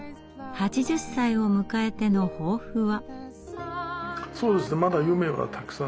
８０歳を迎えての抱負は？